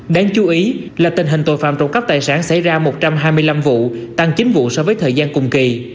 đáng chú ý là tình hình tội phạm trộm cắp tài sản xảy ra một trăm hai mươi năm vụ tăng chín vụ so với thời gian cùng kỳ